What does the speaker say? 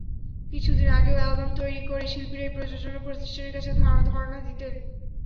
কিছুদিন আগেও অ্যালবাম তৈরি করে শিল্পীরাই প্রযোজনা প্রতিষ্ঠানের কাছে ধরনা দিতেন।